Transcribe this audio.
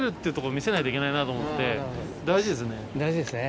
大事ですね。